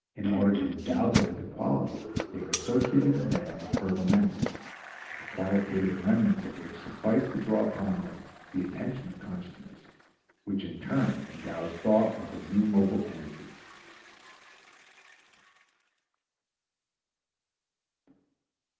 In order to endow them with a quality, they are associated in man with verbal memories, the qualitative remnants of which suffice to draw upon them the attention of consciousness which in turn endows thought with a new mobile energy.